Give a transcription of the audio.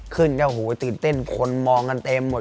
ขึ้นก็โหตื่นเต้นคนมองกันเต็มหมด